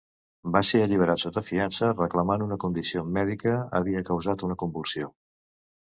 Va ser alliberat sota fiança reclamant una condició mèdica havia causat una convulsió.